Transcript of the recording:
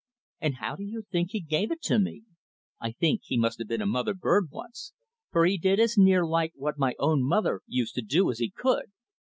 And how do you think he gave it to me? I think he must have been a mother bird once, for he did as near like what my own mother used to do as he could.